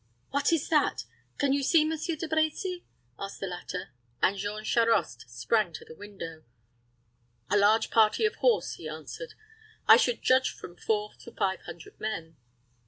"What is that? Can you see, Monsieur De Brecy?" asked the latter; and Jean Charost sprang to the window. "A large party of horse," he answered. "I should judge from four to five hundred men."